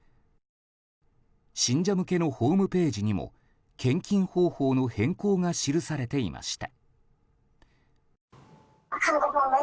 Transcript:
信者向けのホームページにも献金方法の変更が記されていました。